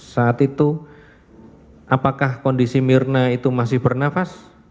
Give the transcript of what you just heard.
saat itu apakah kondisi mirna itu masih bernafas